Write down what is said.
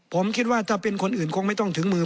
ผมคิดว่าถ้าเป็นคนอื่นคงไม่ต้องถึงมือ